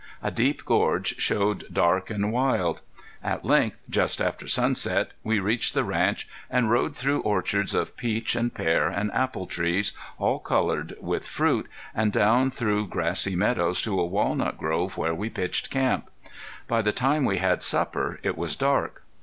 A deep gorge showed dark and wild. At length, just after sunset, we reached the ranch, and rode through orchards of peach and pear and apple trees, all colored with fruit, and down through grassy meadows to a walnut grove where we pitched camp. By the time we had supper it was dark.